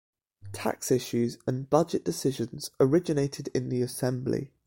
Tax issues and budget decisions originated in the assembly.